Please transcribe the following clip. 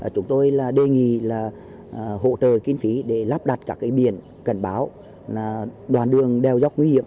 chúng tôi đề nghị là hỗ trợ kinh phí để lắp đặt các biển cảnh báo đoạn đường đèo dốc nguy hiểm